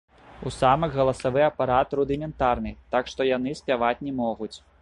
У самак галасавы апарат рудыментарны, так што яны спяваць не могуць.